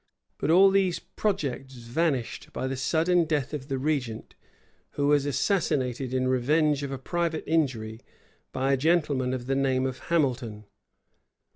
[] But all these projects vanished by the sudden death of the regent, who was assassinated in revenge of a private injury, by a gentleman of the name of Hamilton.